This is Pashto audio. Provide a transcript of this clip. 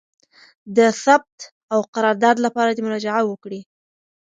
د ثبت او قرارداد لپاره دي مراجعه وکړي: